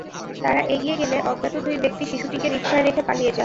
তারা এগিয়ে গেলে অজ্ঞাত দুই ব্যক্তি শিশুটিকে রিকশায় রেখে পালিয়ে যান।